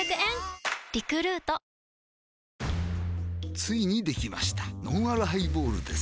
ついにできましたのんあるハイボールです